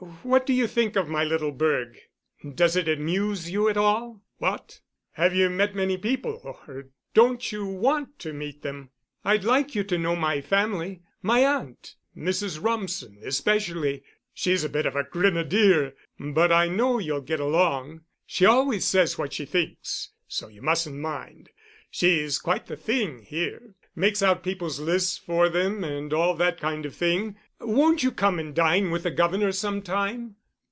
What do you think of my little burg? Does it amuse you at all? What? Have you met many people, or don't you want to meet them? I'd like you to know my family—my aunt, Mrs. Rumsen, especially. She's a bit of a grenadier, but I know you'll get along. She always says what she thinks, so you mustn't mind. She's quite the thing here. Makes out people's lists for them and all that kind of thing. Won't you come and dine with the governor some time?"